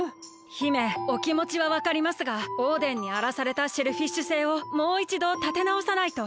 姫おきもちはわかりますがオーデンにあらされたシェルフィッシュ星をもういちどたてなおさないと。